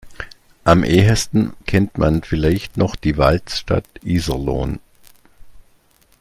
Am ehesten kennt man vielleicht noch die Waldstadt Iserlohn.